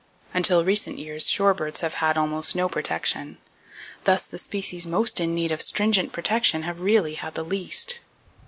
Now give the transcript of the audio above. Until recent years shorebirds have had almost no protection. Thus, the species most in need of stringent protection have really had the least.